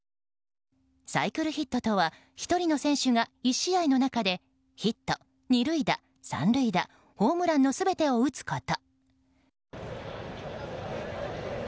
サイクルヒットとは１人の選手が１試合の中でヒット、２塁打、３塁打ホームランの全てを打つこと。